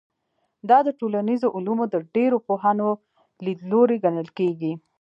دا د ټولنیزو علومو د ډېرو پوهانو لیدلوری ګڼل کېږي.